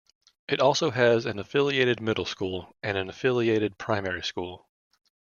It also has an affiliated middle school and an affiliated primary school.